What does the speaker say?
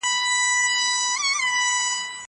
ليکنې وکړه!